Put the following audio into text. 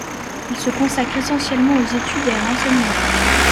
Ils se consacre essentiellement aux études et à l'enseignement.